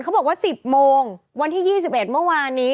เขาบอกว่า๑๐โมงวันที่๒๑เมื่อวานนี้